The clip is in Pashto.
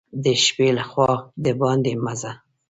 د شپې له خوا دباندي مه ځه !